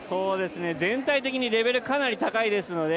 全体的にレベルかなり高いですので